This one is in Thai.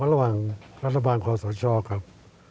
ก็ระหว่างรัฐบาลความสดชอบครับ